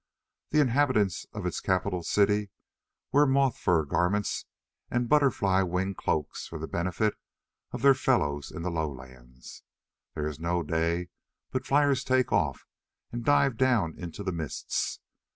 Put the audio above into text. The inhabitants of its capital city wear moth fur garments and butterfly wing cloaks for the benefit of their fellows in the lowlands. There is no day but fliers take off and dive down into the mists.